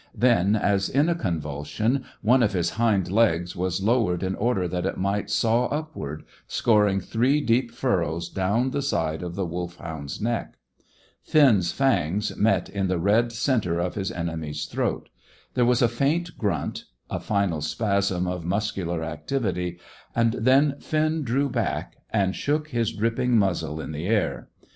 Then, as in a convulsion, one of his hind legs was lowered in order that it might saw upward, scoring three deep furrows down the side of the Wolfhound's neck. Finn's fangs met in the red centre of his enemy's throat. There was a faint grunt, a final spasm of muscular activity, and then Finn drew back, and shook his dripping muzzle in the air.